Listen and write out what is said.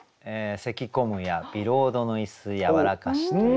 「咳込むやビロードの椅子やはらかし」という。